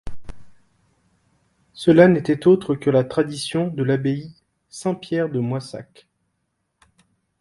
Cela n'était autre que la tradition de l'abbaye Saint-Pierre de Moissac.